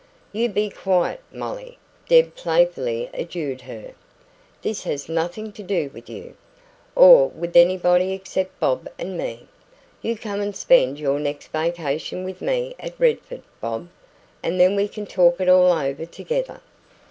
"You be quiet, Molly," Deb playfully adjured her. "This has nothing to do with you, or with anybody except Bob and me. You come and spend your next vacation with me at Redford, Bob, and then we can talk it all over together."